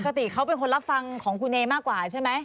ปกติเขาเป็นคนรับฟังของคุณเอมากกว่าใช่ไหม